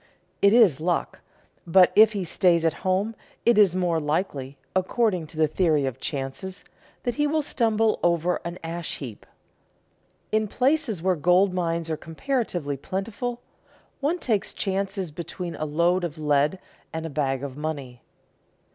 It is luck; but if he stays at home it is more likely, according to the theory of chances, that he will stumble over an ash heap. In places where gold mines are comparatively plentiful, one takes chances between a load of lead and a bag of money.